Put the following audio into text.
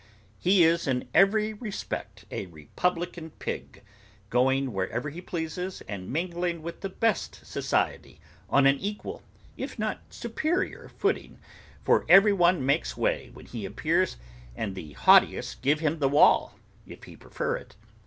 He is in every respect a republican pig, going wherever he pleases, and mingling with the best society, on an equal, if not superior footing, for every one makes way when he appears, and the haughtiest give him the wall, if he prefer it.